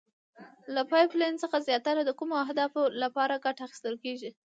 له پایپ لین څخه زیاتره د کومو اهدافو لپاره ګټه اخیستل کیږي؟